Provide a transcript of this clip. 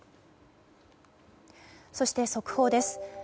そして、速報です。